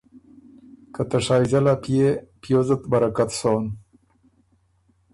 که ”ته شائزل ا پيې! پیوزت بَرَکت سون۔